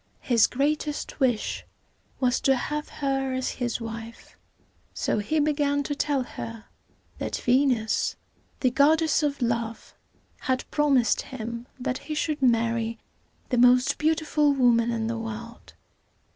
His greatest wish was to have her as his wife: so he began to tell her that Ve´nus, the goddess of love, had promised him that he should marry the most beautiful woman in the world.